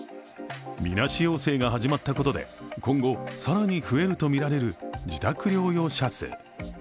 みなし陽性が始まったことで今後、更に増えるとみられる自宅療養者数。